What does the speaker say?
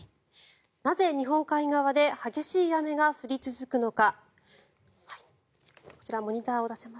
なぜ日本海側で激しい雨が降り続くのか。